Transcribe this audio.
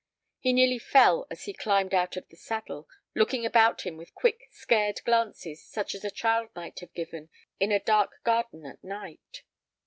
He nearly fell as he climbed out of the saddle, looking about him with quick, scared glances such as a child might have given in a dark garden at night.